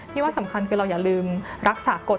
ว่าสำคัญคือเราอย่าลืมรักษากฎ